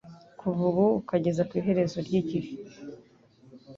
Kuva ubu ukageza ku iherezo ry’igihe,